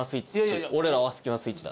俺らはスキマスイッチだ。